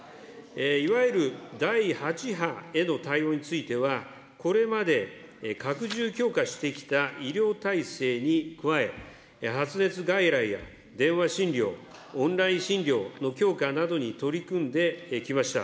いわゆる第８波への対応については、これまで拡充強化してきた医療体制に加え、発熱外来や電話診療、オンライン診療の強化などに取り組んできました。